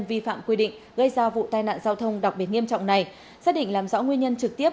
vi phạm quy định gây ra vụ tai nạn giao thông đặc biệt nghiêm trọng này xác định làm rõ nguyên nhân trực tiếp